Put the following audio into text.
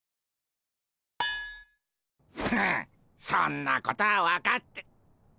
はっそんなことは分かって。